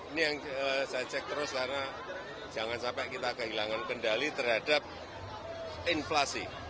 ini yang saya cek terus karena jangan sampai kita kehilangan kendali terhadap inflasi